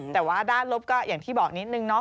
แต่ว่าด้านลบก็อย่างที่บอกนิดนึงเนาะ